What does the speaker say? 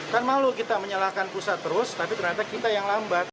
kan malu kita menyalahkan pusat terus tapi ternyata kita yang lambat